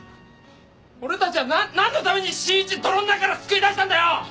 俺たちは何何のために信一泥の中から救い出したんだよ？